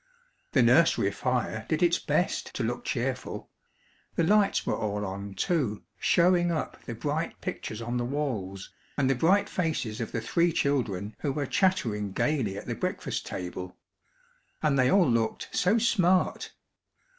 The nursery fire did its best to look cheerful: the lights were all on too, showing up the bright pictures on the walls and the bright faces of the three children who were chattering gaily at the breakfast table. And they all looked so smart!